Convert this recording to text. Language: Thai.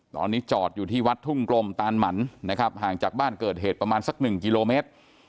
ตอนนี้จอดอยู่ที่วัดทุ่งกลมตานหมันนะครับห่างจากบ้านเกิดเหตุประมาณสักหนึ่งกิโลเมตร